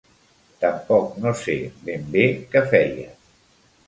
Tampoc no sé ben bé què feia.